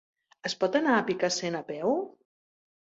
Es pot anar a Picassent a peu?